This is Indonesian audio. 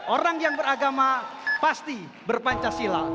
orang yang beragama pasti berpancasila